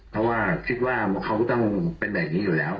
เพราะว่าคิดว่าเขาก็ต้องเป็นแบบนี้อยู่แล้ว